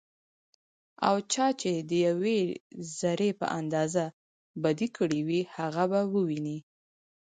او چا چې ديوې ذرې په اندازه بدي کړي وي، هغه به وويني